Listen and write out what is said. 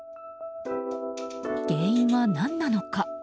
原因は何なのか？